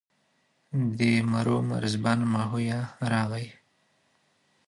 د مرو مرزبان ماهویه راغی.